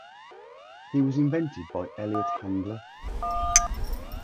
He was invented by Elliot Handler.